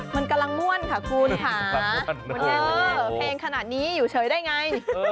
มันกำลังม่วนค่ะคุณค่ะเพลงขนาดนี้อยู่เฉยได้ไง